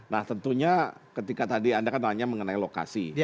nah tentunya ketika tadi anda kan tanya mengenai lokasi